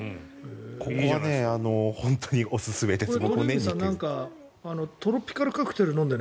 ここは本当におすすめです。